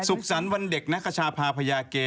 สุขสรรค์วันเด็กนักคชาพาพญาเก